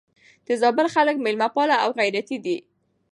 د زابل خلک مېلمه پال او غيرتي دي.